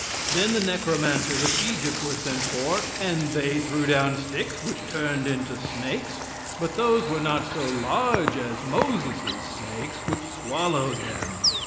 Then the necromancers of Egypt were sent for, and they threw down sticks, which turned into snakes, but those were not so large as Moses' snakes, which swallowed them.